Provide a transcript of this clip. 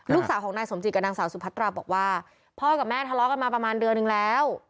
ลูกสาวของนายสมจิตกับนางสาวสุพัตราบอกว่าพ่อกับแม่ทะเลาะกันมาประมาณเดือนนึงแล้ว